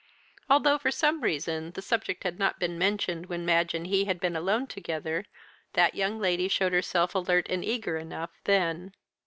Although, for some reason, the subject had not been mentioned when Madge and he had been alone together, that young lady showed herself alert and eager enough then.